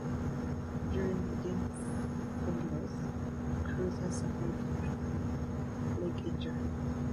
During the game four loss, Crozier suffered a leg injury.